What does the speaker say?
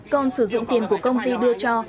còn sử dụng tiền của công ty đưa cho